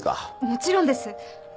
もちろんです